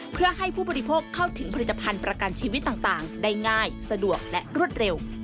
เพื่อให้ผู้บริโภคเข้าถึงผลิตภัณฑ์ประกันชีวิตต่างได้ง่ายสะดวกและรวดเร็ว